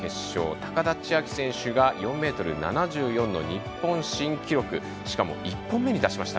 高田千明選手が、４ｍ７４の日本新記録しかも１本目に出しました。